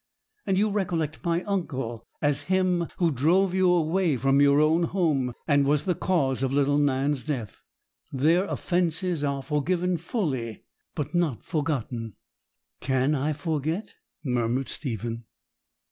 And you recollect my uncle as him who drove you away from your own home, and was the cause of little Nan's death. Their offences are forgiven fully, but not forgotten.' 'Can I forget?' murmured Stephen.